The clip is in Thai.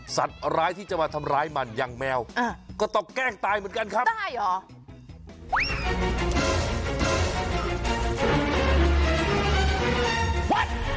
สัตว์ร้ายที่จะมาทำร้ายมันยังแมวก็ต้องแกล้งตายเหมือนกันครับ